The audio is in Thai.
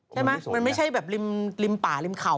ใช่ไหมมันไม่ใช่แบบริมป่าริมเขา